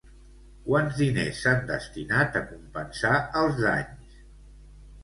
Quants diners s'han destinat a compensar els danys?